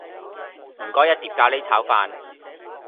唔該一碟咖哩炒飯